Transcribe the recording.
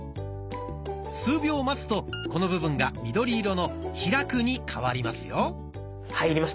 数秒待つとこの部分が緑色の「開く」に変わりますよ。